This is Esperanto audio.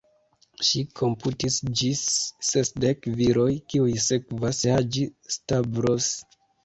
Ŝi komputis ĝis sesdek viroj, kiuj sekvas Haĝi-Stavros.